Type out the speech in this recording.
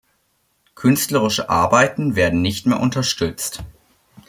Künstlerische Arbeiten werden nicht mehr unterstützt.